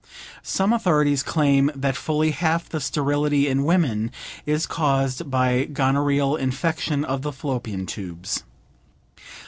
Some authorities claim that fully half the sterility in women is caused by gonorrheal infection of the Fallopian tubes.